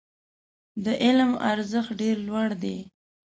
د علم ارزښت ډېر لوړ دی.